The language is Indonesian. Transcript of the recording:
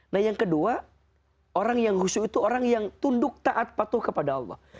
nah yang kedua orang yang khusyuk itu orang yang tunduk taat patuh kepada allah